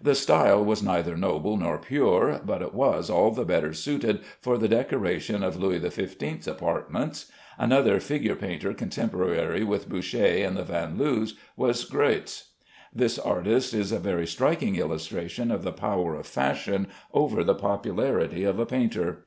The style was neither noble nor pure, but it was all the better suited for the decoration of Louis XV apartments. Another figure painter contemporary with Boucher and the Vanloos was Greuze. This artist is a very striking illustration of the power of fashion over the popularity of a painter.